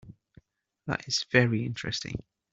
That is very interesting.